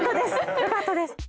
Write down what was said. よかったです。